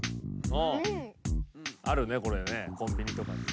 ああるねこれねコンビニとかで。